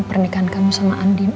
pernikahan kamu sama andin